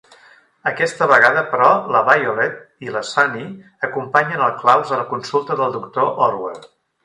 Aquesta vegada, però, la Violet i la Sunny acompanyen el Klaus a la consulta del doctor Orwell.